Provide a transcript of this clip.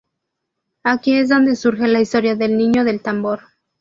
Aquí es donde surge la historia del "Niño del Tambor".